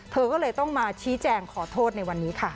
เธอก็เลยต้องมาชี้แจงขอโทษในวันนี้ค่ะ